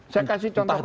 saya kasih contoh konkret